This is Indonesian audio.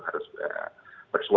kita harus berbicara